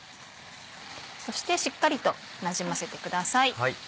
そしてしっかりとなじませてください。